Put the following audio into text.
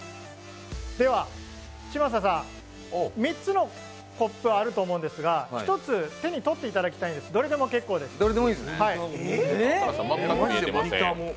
では、嶋佐さん、３つのコップあると思うんですが１つ手に取っていただきたいんですどれでもいいです。